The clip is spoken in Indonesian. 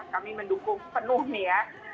kami mendukung penuh nih ya